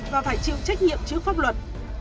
và phải chịu trách nhiệm trước pháp luật